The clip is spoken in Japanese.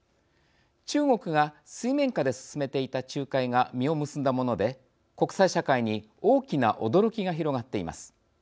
中国が水面下で進めていた仲介が実を結んだもので国際社会に大きな驚きが広がっています。